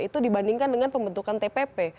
itu dibandingkan dengan pembentukan tpp